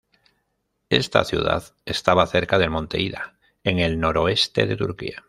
Esta ciudad estaba cerca del Monte Ida, en el noroeste de Turquía.